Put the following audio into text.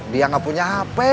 dia gak punya hp